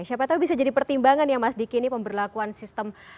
siapa tahu bisa jadi pertimbangan ya mas diki ini pemberlakuan sistem